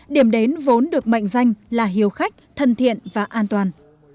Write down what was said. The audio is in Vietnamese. điểm đến vốn được mệnh danh là hiếu khách thân thiện và an toàn